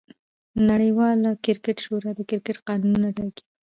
نړۍواله کرکټ شورا د کرکټ قانونونه ټاکي.